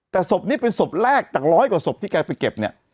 แต่ศพนี้เป็นศพแรกจากร้อยกว่าศพที่แกไปเก็บเนี่ย